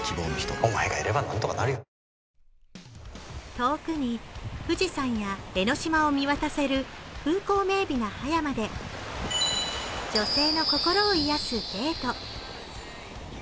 遠くに富士山や江の島を見渡せる風光明媚な葉山で女性の心を癒やすデート。